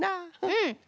うん！